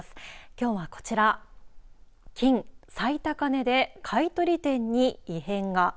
きょうはこちら金、最高値で買取店に異変が。